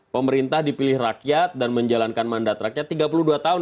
pemerintah dipilih rakyat dan menjalankan mandat rakyat tiga puluh dua tahun